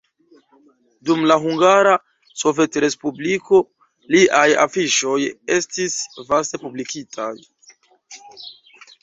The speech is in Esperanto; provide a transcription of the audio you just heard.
Dum la Hungara Sovetrespubliko liaj afiŝoj estis vaste publikitaj.